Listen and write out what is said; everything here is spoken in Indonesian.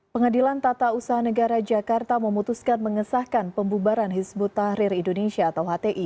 pengadilan tata usaha negara jakarta memutuskan mengesahkan pembubaran hizbut tahrir indonesia atau hti